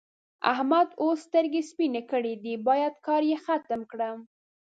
احمد اوس سترګې سپينې کړې دي؛ بايد کار يې ختم کړم.